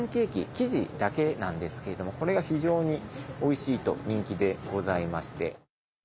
生地だけなんですけれどもこれが非常においしいと人気でございまして。